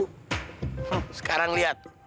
hmm sekarang liat